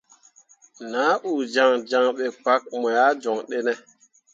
Nah uu jaŋjaŋ ɓe kpak moah joŋ ɗene.